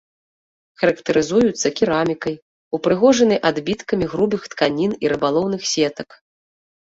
Характарызуюцца керамікай, упрыгожанай адбіткамі грубых тканін і рыбалоўных сетак.